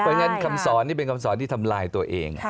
เพราะฉะนั้นคำสอนนี่เป็นคำสอนที่ทำลายตัวเอง